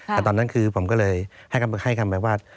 แต่ตอนนั้นคือผมก็เลยให้คำไปว่า